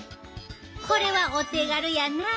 これはお手軽やなあ。